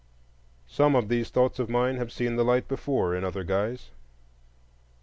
Some of these thoughts of mine have seen the light before in other guise.